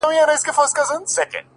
• څه کم عقل ماشومان دي د ښارونو ,